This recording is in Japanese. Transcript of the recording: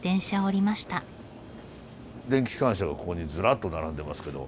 電気機関車がここにずらっと並んでますけど。